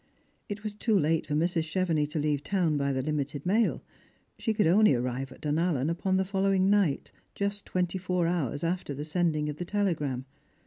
It was too late for Mrs. Chevenix to leave town by the limited mail. She could only amve at Dunallen upon the following night, just twenty four hours after the sending of the telegram.